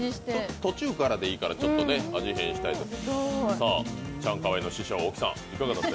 途中でいいからちょっと味変したりとか。